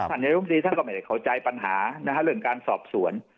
ศัลยธรรมดีท่านก็ไม่ได้เข้าใจปัญหานะครับเรื่องการสอบสวน